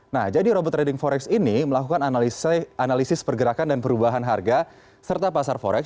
nah jadi robot trading forex ini melakukan analisis pergerakan dan perubahan harga serta pasar forex